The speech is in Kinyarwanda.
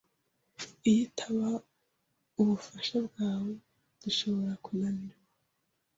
Iyo itaba ubufasha bwawe, dushobora kunanirwa.